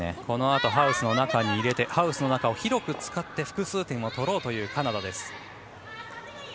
このあとハウスの中に入れてハウスの中を広く使って複数点を取ろうというカナダです。